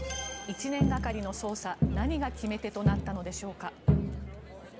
１年がかりの捜査、何が決め手となったのでしょうか。